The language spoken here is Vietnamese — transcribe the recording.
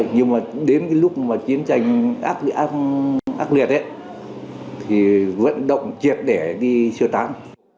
nhưng mà đến lúc chiến tranh ác liệt thì vận động triệt để đi sơ tán